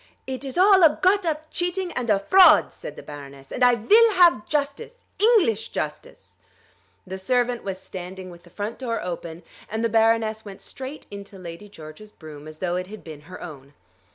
"It is all a got up cheating and a fraud," said the Baroness: "and I vill have justice, English justice." The servant was standing with the front door open, and the Baroness went straight into Lady George's brougham, as though it had been her own.